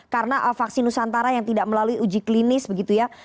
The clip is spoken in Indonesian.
karena vaksin nusantara yang tidak melalui uji klinis begitu ya